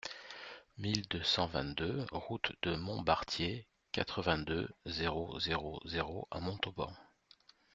mille deux cent vingt-deux route de Montbartier, quatre-vingt-deux, zéro zéro zéro à Montauban